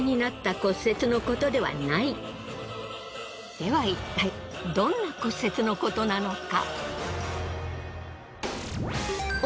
ではいったいどんな骨折のことなのか？